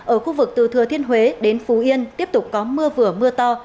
ở khu vực từ thừa thiên huế đến phú yên tiếp tục có mưa vừa mưa to